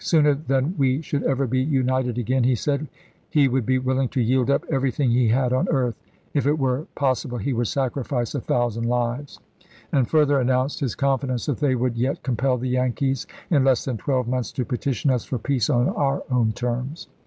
" Sooner than we should ever be united again," he said, " he would be willing to yield up everything he had on earth — if it were pos sible he would sacrifice a thousand lives"; and further announced his confidence that they would yet "compel the Yankees, in less than twelve "Richmond months, to petition us for peace on our own Dispatch " Feb. 7, 1865. terms."